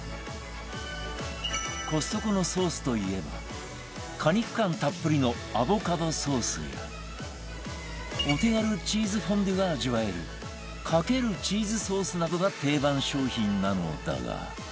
コストコのソースといえば果肉感たっぷりのアボカドソースやお手軽チーズフォンデュが味わえるかけるチーズソースなどが定番商品なのだが